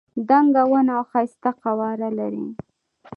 دنګه ونه او ښایسته قواره لري.